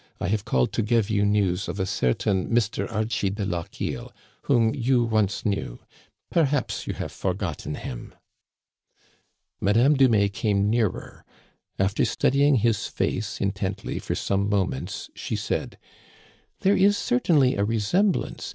I have called to give you news of a certain Mr. Archie de Lochiel, whom you once knew. Perhaps you have forgotten him." Madame Dumais came nearer. After studying his face intently for some moments, she said ;" There is certainly a resemblance.